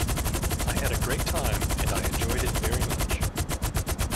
I had a great time and I enjoyed it very much.